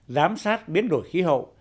giám sát biến đổi khí hậu